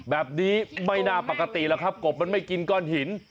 แบบนี้ไม่น่าปกติหรอกครับกบมันไม่กินก้อนหิน